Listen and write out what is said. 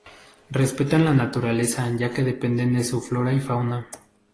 Respetan la naturaleza ya que dependen de su flora y fauna.